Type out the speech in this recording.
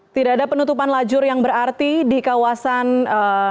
tidak ada penutupan lajur yang berarti di kawasan